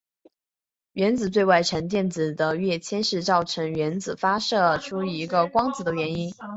原子最外层电子的跃迁是造成原子发射出一个光子的原因。